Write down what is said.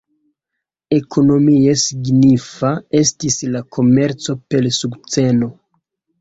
Ekonomie signifa estis la komerco per sukceno.